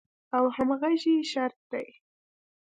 او همغږۍ شرط دی.